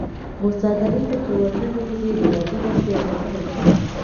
موسی درې ته چې ورننوځې ګلابي دښتې او غرونه شته.